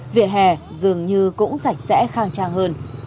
vỉa hè dường như cũng sạch sẽ khang trang hơn